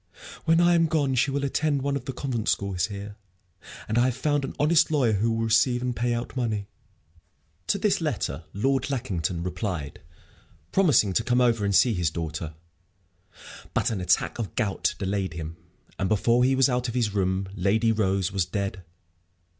When I am gone she will attend one of the convent schools here. And I have found an honest lawyer who will receive and pay out money." To this letter Lord Lackington replied, promising to come over and see his daughter. But an attack of gout delayed him, and, before he was out of his room, Lady Rose was dead.